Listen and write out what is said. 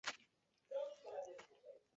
鞭枝悬藓为蔓藓科悬藓属下的一个种。